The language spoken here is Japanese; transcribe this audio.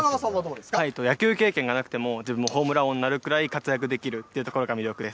野球経験がなくても、ホームラン王になるぐらい活躍できるっていうところが魅力です。